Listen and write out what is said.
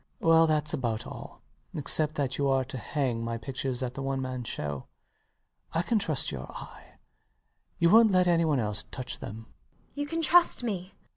LOUIS. Well, thats about all; except that you are to hang my pictures at the one man show. I can trust your eye. You wont let anyone else touch them. MRS DUBEDAT. You can trust me.